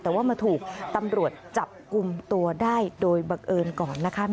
แต่ว่ามาถูกตำรวจจับกลุ่มตัวได้โดยบังเอิญก่อนนะคะ